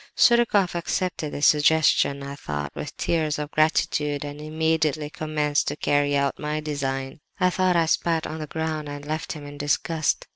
Surikoff accepted this suggestion, I thought, with tears of gratitude, and immediately commenced to carry out my design. "I thought I spat on the ground and left him in disgust.